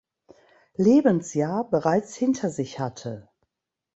Lebensjahr bereits hinter sich hatte.